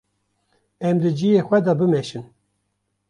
Em di cihê xwe de bimeşin.